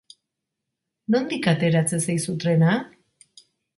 Nondik ateratzen zaizu trena?